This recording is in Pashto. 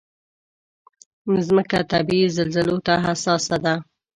مځکه طبعي زلزلو ته حساسه ده.